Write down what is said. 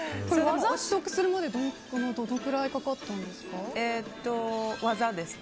技を覚えるまでどのくらいかかったんですか。